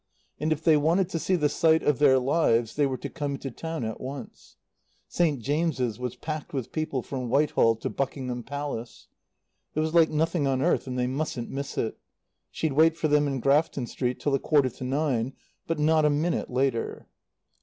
And if they wanted to see the sight of their lives they were to come into town at once. St. James's was packed with people from Whitehall to Buckingham Palace. It was like nothing on earth, and they mustn't miss it. She'd wait for them in Grafton Street till a quarter to nine, but not a minute later.